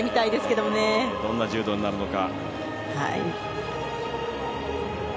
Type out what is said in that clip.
どんな柔道になるのか。